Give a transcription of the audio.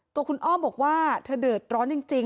สวัสดีคุณผู้ชายสวัสดีคุณผู้ชาย